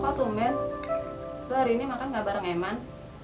kok tumen lu hari ini makan gak bareng eman